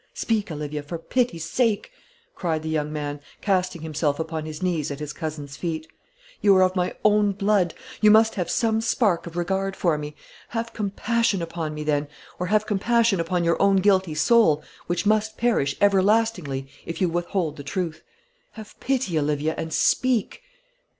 Speak, Olivia, for pity's sake," cried the young man, casting himself upon his knees at his cousin's feet. "You are of my own blood; you must have some spark of regard for me; have compassion upon me, then, or have compassion upon your own guilty soul, which must perish everlastingly if you withhold the truth. Have pity, Olivia, and speak!"